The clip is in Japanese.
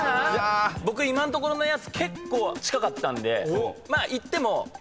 僕今んところのやつ結構近かったんでまあいっても。